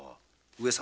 上様。